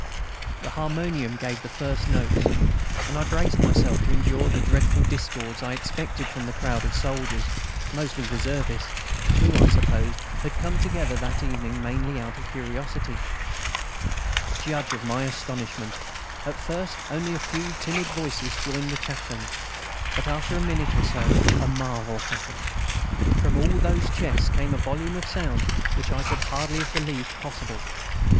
The harmonium gave the first notes, and I braced myself to endure the dreadful discords I expected from this crowd of soldiers mostly reservists who, I supposed, had come together that evening mainly out of curiosity. Judge of my astonishment! At first only a few timid voices joined the Chaplain's. But after a minute or so a marvel happened. From all those chests came a volume of sound such as I could hardly have believed possible.